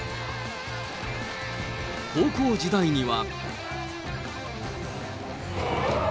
高校時代には。